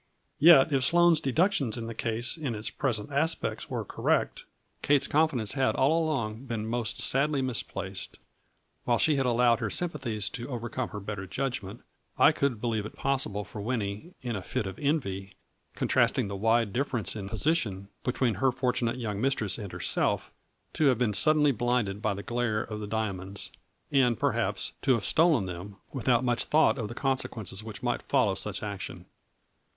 Yet, if Sloane's deductions in the case in its present aspects were correct, Kate's confidence had all along been most sadly misplaced ; while she had allowed her sympa thies to overcome her better judgment, I could believe it possible for Winnie, in a fit of envy, contrasting the wide difference in position between her fortunate young mistress and her self, to have been suddenly blinded by the glare of the diamonds, and, perhaps, to have stolen them, without much thought of the conse quences which might follow such action.